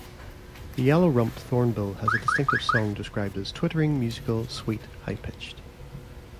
The yellow-rumped thornbill has a distinctive song described as "twittering, musical, sweet, high-pitched".